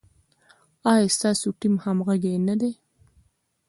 ایا ستاسو ټیم همغږی نه دی؟